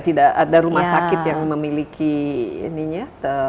tidak ada rumah sakit yang memiliki ini ya